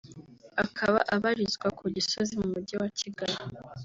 akaba abarizwa ku Gisozi mu mujyi wa Kigali